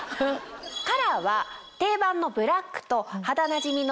カラーは定番のブラックと肌なじみの